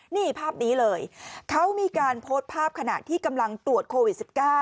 นี่ภาพนี้เลยเขามีการโพสต์ภาพขณะที่กำลังตรวจโควิด๑๙